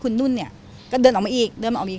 คุณนุ่นเนี่ยก็เดินออกมาอีกเดินออกมาอีก